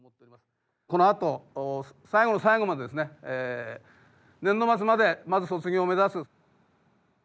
このあと最後の最後までですね年度末までまず卒業を目指す。